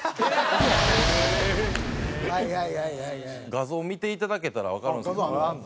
画像見ていただけたらわかるんですけども。